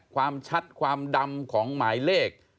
ความชัดความดำของหมายเลข